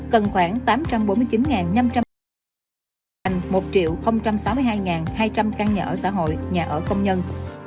cần khoảng tám trăm bốn mươi chín năm trăm linh căn nhà ở xã hội một sáu mươi hai hai trăm linh căn nhà ở xã hội nhà ở công nhân